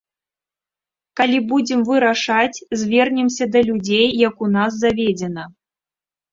Калі будзем вырашаць, звернемся да людзей, як у нас заведзена.